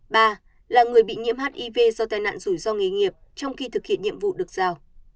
ba là người bị nhiễm hiv do tai nạn rủi ro nghề nghiệp trong khi thực hiện nhiệm vụ được giao